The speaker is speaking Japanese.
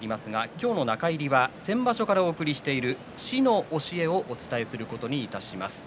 今日の中入りは先場所からお送りしている「師の教え」をお伝えします。